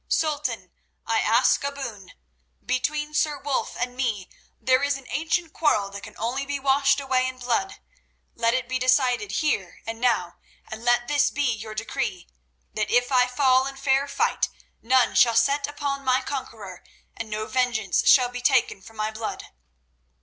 Sultan, I ask a boon. Between Sir Wulf and me there is an ancient quarrel that can only be washed away in blood. Let it be decided here and now, and let this be your decree—that if I fall in fair fight, none shall set upon my conqueror, and no vengeance shall be taken for my blood."